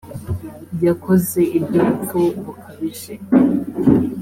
yakoze ibyubupfu bukabije.